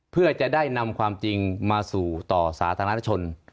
เพื่อจะได้นำความจริงมาสู่ต่อสาธารณชน